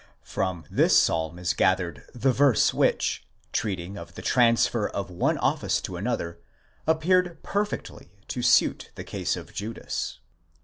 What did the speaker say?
From this psalm is gathered the verse which, treating of the transfer of one office to another, appeared perfectly to suit the case of Judas.